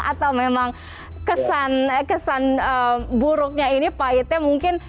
atau memang kesan buruknya ini pahitnya mungkin